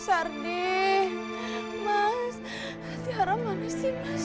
mas ardi mas tiara mana sih mas